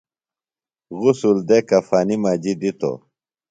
غسل دےۡ کفنیۡ مجیۡ دِتوۡ ۔